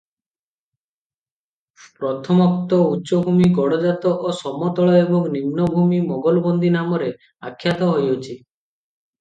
ପ୍ରଥମୋକ୍ତ ଉଚ୍ଚଭୂମି ଗଡ଼ଜାତ ଓ ସମତଳ ଏବଂ ନିମ୍ନଭୂମି ମୋଗଲବନ୍ଦୀ ନାମରେ ଆଖ୍ୟାତ ହୋଇଅଛି ।